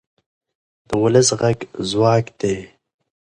د ولس غږ ځواک دی